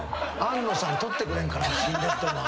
庵野さん撮ってくれんかな？